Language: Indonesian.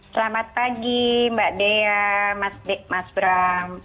selamat pagi mbak dea mas dik mas bram